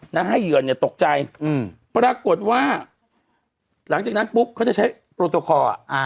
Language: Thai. น่าให้เยือนตกใจปรากฏว่าหลังจากนั้นปุ๊บเขาจะใช้โปรโตคอร์